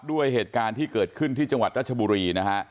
ด้วยเหตุการณ์ที่เกิดขึ้นที่จังหวัดรัชบุรีนะฮะ